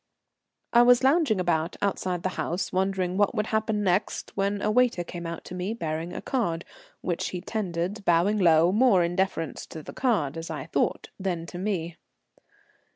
I was lounging about outside the house, wondering what would happen next, when a waiter came out to me bearing a card, which he tendered, bowing low, more in deference to the card, as I thought, than to me.